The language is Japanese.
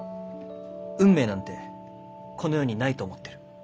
運命なんてこの世にないと思ってる。